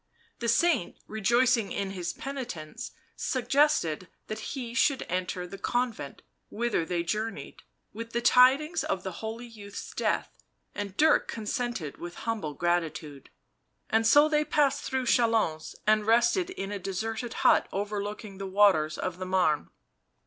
The saint, rejoicing in his penitence, suggested that he should enter the convent whither they journeyed with the tidings of the holy youth's death, and Dirk consented with humble gratitude. And so they passed through Ch&lons, and rested in a deserted hut over looking the waters of the Marne.